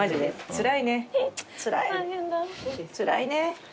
つらいね。